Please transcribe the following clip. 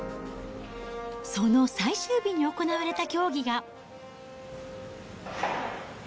その最終日に行われた競技が。